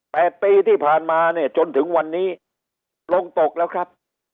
ปีที่ผ่านมาเนี่ยจนถึงวันนี้ลงตกแล้วครับ